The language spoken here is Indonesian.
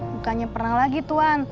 bukannya pernah lagi tuan